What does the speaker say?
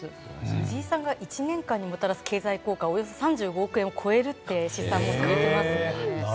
藤井さんが１年にもたらす経済効果はおよそ３５億円を超えるという試算もされていますので。